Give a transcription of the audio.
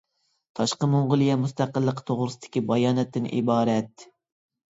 تاشقى موڭغۇلىيە مۇستەقىللىقى توغرىسىدىكى باياناتتىن ئىبارەت.